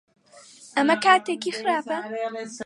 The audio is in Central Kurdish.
ئەمە کاتێکی خراپە؟